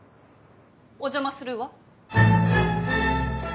お邪魔するわ。